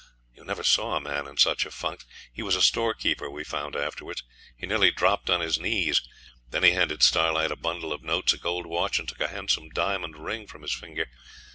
You never saw a man in such a funk. He was a storekeeper, we found afterwards. He nearly dropped on his knees. Then he handed Starlight a bundle of notes, a gold watch, and took a handsome diamond ring from his finger.